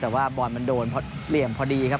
แต่ว่าบอลมันโดนเพราะเหลี่ยมพอดีครับ